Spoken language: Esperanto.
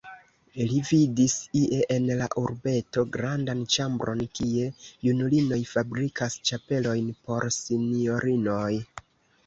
Li vidis ie en la urbeto grandan ĉambron, kie junulinoj fabrikas ĉapelojn por sinjorinoj.